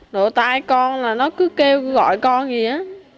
rồi tai con là nó cứ kêu cứ gọi con gì đó